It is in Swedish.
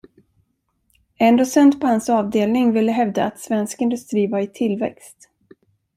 En docent på hans avdelning ville hävda att svensk industri var i tillväxt.